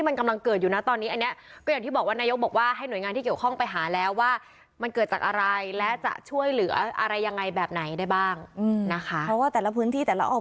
อย่างคุณยายบวนเนี่ยได้แน่เรียกเวลาคือ๑ปีนะ